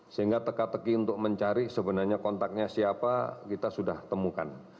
sehingga teka teki untuk mencari sebenarnya kontaknya siapa kita sudah temukan